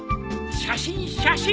写真写真。